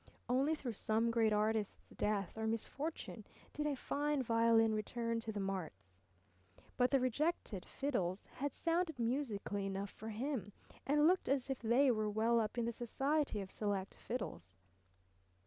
Only through some great artist's death or misfortune did a fine violin return to the marts. But the rejected fiddles had sounded musically enough for him and looked as if they were well up in the society of select fiddles.